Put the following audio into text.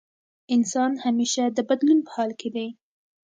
انسان همېشه د بدلون په حال کې دی.